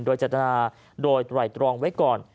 โดยเจตนาโดยไตรตรองไว้ก่อน